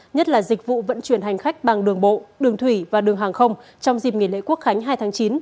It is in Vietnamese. nhất là dịch vụ vận chuyển hành khách bằng đường bộ đường thủy và đường hàng không trong dịp nghỉ lễ quốc khánh hai tháng chín